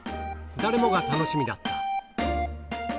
誰もが楽しみだった。